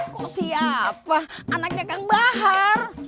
kok siapa anaknya kang bahar